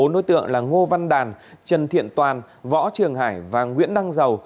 bốn đối tượng là ngô văn đàn trần thiện toàn võ trường hải và nguyễn đăng dầu